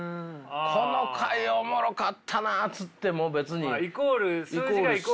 この回おもろかったなっつっても別に。